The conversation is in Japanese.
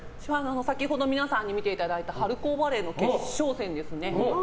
先ほど皆さんに見ていただいた春高バレーの決勝戦ですね。